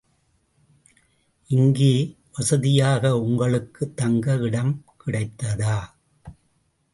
இங்கே வசதியாக உங்களுக்குத் தங்க இடம் கிடைத்ததா?